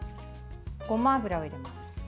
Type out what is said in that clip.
ごま油を入れます。